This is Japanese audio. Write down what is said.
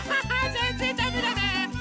ぜんぜんだめだね！